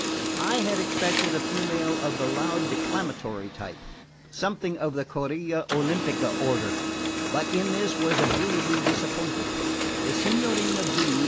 I had expected a female of the loud declamatory type: something of the Corilla Olimpica order; but in this was agreeably disappointed. The Signorina V.